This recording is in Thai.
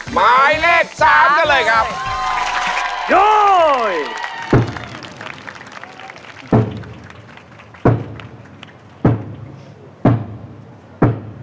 หมายเลข๓ก็เลยครับ